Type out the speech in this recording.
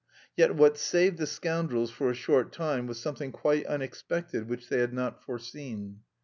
Yet what saved "the scoundrels" for a short time was something quite unexpected which they had not foreseen....